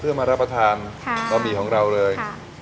เพื่อมารับประทานบะหมี่ของเราเลย